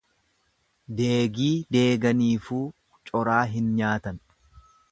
Deegii deeganiifuu coraa hin nyaatan.